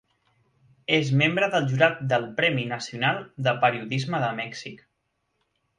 És membre del jurat del Premi Nacional de Periodisme de Mèxic.